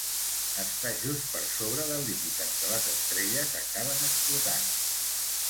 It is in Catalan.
Està just per sobre del límit en què les estrelles acaben explotant.